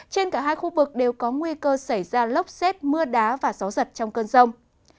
trên cả hai khu vực đều có nguy cơ xảy ra lốc xét mưa đá và gió giật trong cơn rông